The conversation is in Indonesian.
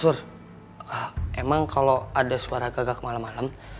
emang kalau ada suara gagak malam malam